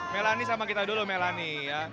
melani sama kita dulu melani ya